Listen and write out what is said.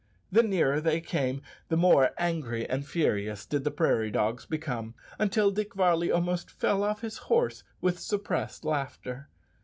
The nearer they came the more angry and furious did the prairie dogs become, until Dick Varley almost fell off his horse with suppressed laughter.